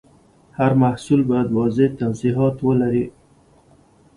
هر محصول باید واضح توضیحات ولري.